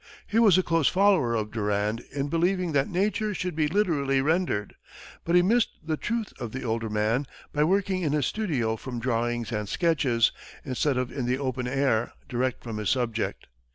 He was a close follower of Durand in believing that nature should be literally rendered, but he missed the truth of the older man by working in his studio from drawings and sketches, instead of in the open air direct from his subject.